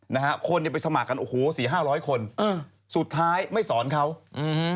นะฮะคนเนี้ยไปสมัครกันโอ้โหสี่ห้าร้อยคนเออสุดท้ายไม่สอนเขาอืม